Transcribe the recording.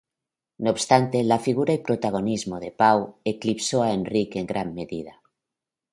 No obstante, la figura y protagonismo de Pau eclipsó a Enric en gran medida.